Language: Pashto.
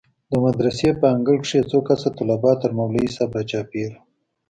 د مدرسې په انګړ کښې څو کسه طلبا تر مولوي صاحب راچاپېر وو.